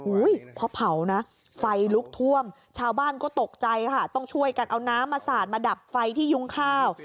พอเผานะไฟลุกท่วมชาวบ้านก็ตกใจค่ะต้องช่วยกันเอาน้ำมาสาดมาดับไฟที่ยุ้งข้าว